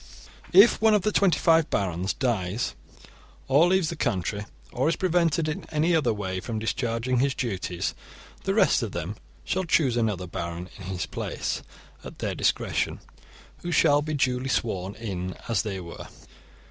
* If one of the twenty five barons dies or leaves the country, or is prevented in any other way from discharging his duties, the rest of them shall choose another baron in his place, at their discretion, who shall be duly sworn in as they were.